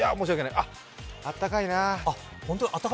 あ、あったかいなあ。